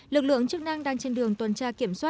lực lượng chức năng đang trên đường tuần tra kiểm soát